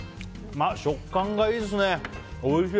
食感がいいですね。